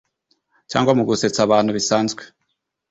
cyangwa mu gusetsa abantu bisanzwe